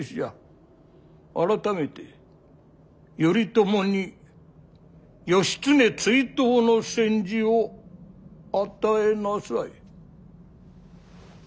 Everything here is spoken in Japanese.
改めて頼朝に義経追討の宣旨を与えなさい。